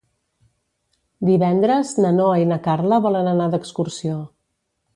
Divendres na Noa i na Carla volen anar d'excursió.